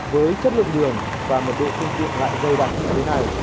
với chất lượng đường và một đội sinh viện lại dâu đặc như thế này